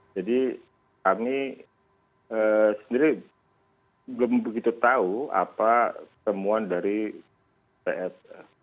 jadi kami sendiri belum begitu tahu apa temuan dari tgipf